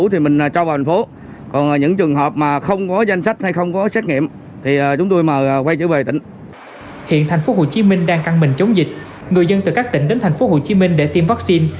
hiện tp hcm đang căng mình chống dịch người dân từ các tỉnh đến tp hcm để tiêm vaccine